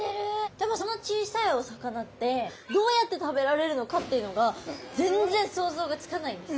でもその小さいお魚ってどうやって食べられるのかっていうのが全然想像がつかないんですよ。